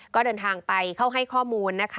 ก็เดินทางไปเข้าให้ข้อมูลนะคะ